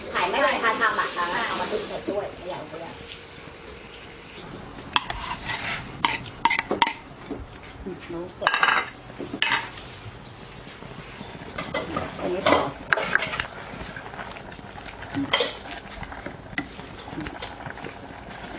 ไข่ไม่ได้ค่ะถ้ามาตาล่ะเอามาดูดเผ็ดด้วยเดี๋ยวดูดเดี๋ยว